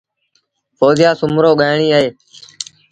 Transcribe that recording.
ڦوزيآ سومرو ڳآئيڻيٚ اهي۔